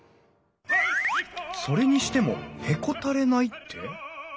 それにしても「へこたれない」って？